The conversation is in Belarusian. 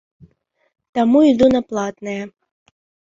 Таму іду на платнае.